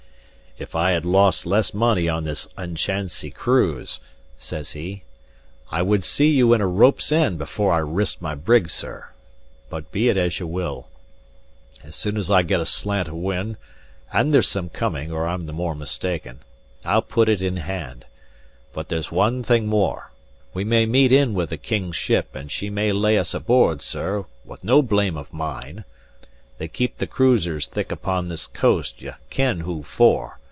"If I had lost less money on this unchancy cruise," says he, "I would see you in a rope's end before I risked my brig, sir. But be it as ye will. As soon as I get a slant of wind (and there's some coming, or I'm the more mistaken) I'll put it in hand. But there's one thing more. We may meet in with a king's ship and she may lay us aboard, sir, with no blame of mine: they keep the cruisers thick upon this coast, ye ken who for.